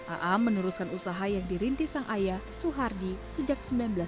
aam meneruskan usaha yang dirintis sang ayah suhardi sejak seribu sembilan ratus sembilan puluh